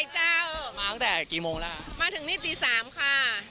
เจ้ามาถึงีตี๓ค่ะ